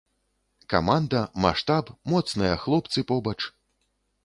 Каманда, маштаб, моцныя хлопцы побач.